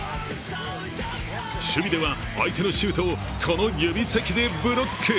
守備では相手のシュートをこの指先でブロック。